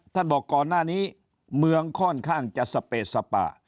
บอกก่อนหน้านี้เมืองค่อนข้างจะสเปดสปะ